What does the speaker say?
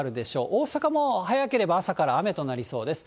大阪も早ければ朝から雨となりそうです。